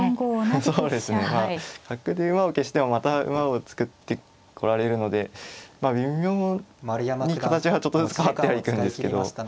そうですねまあ角で馬を消してもまた馬を作ってこられるのでまあ微妙に形がちょっとずつ変わってはいくんですけど。